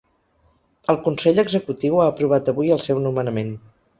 El consell executiu ha aprovat avui el seu nomenament.